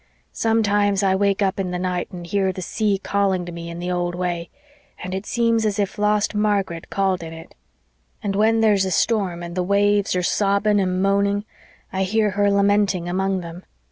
Sometimes I wake up in the night and hear the sea calling to me in the old way, and it seems as if lost Margaret called in it. And when there's a storm and the waves are sobbing and moaning I hear her lamenting among them.